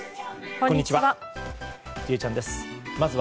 こんにちは。